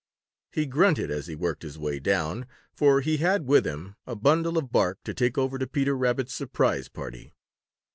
He grunted as he worked his way down, for he had with him a bundle of bark to take over to Peter Rabbit's surprise party.